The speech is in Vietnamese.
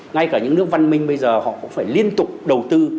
ngay cả những nước văn minh bây giờ họ cũng phải liên tục đầu tư